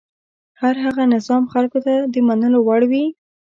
هر هغه نظام خلکو ته د منلو وړ وي.